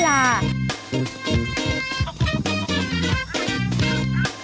ข้าวใส่ไทยสอบกว่าใครใหม่กว่าเดิมค่อยเมื่อล่า